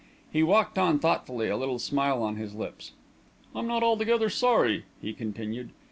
He walked on thoughtfully, a little smile on his lips. "I'm not altogether sorry," he continued.